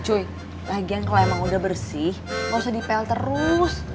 bagian kalau emang udah bersih nggak usah dipel terus